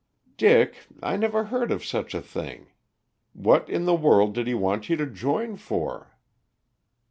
"Dick, I never heard of such a thing! What in the world did he want you to join for?"